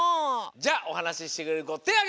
じゃあおはなししてくれるこてあげて！